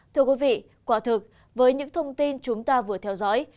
thưa quý vị quả thực với những thông tin chúng ta vừa theo dõi